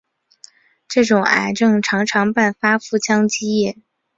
这种癌症常常伴发腹腔积液。